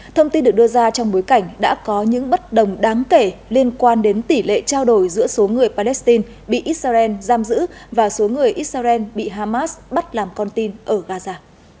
thông tin được đưa ra trong bối cảnh đã có những bất đồng đáng kể liên quan đến tỷ lệ trao đổi giữa số người palestine bị israel giam giữ và số người israel bị hamas bắt làm con tin ở gaza